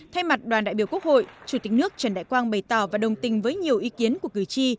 thay mặt đoàn đại biểu quốc hội chủ tịch nước trần đại quang bày tỏ và đồng tình với nhiều ý kiến của cử tri